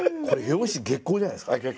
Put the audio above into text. これ表紙月光じゃないですか？